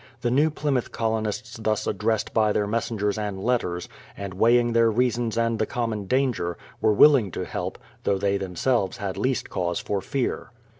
The New Plymouth colonists thus addressed by their messengers and letters, and weighing their reasons and the common danger, were willing to help, though they themselves had least cause for fear.